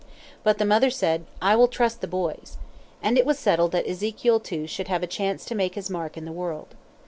But the mother said, "I will trust the boys." And it was settled that Ezekiel, too, should have a chance to make his mark in the world.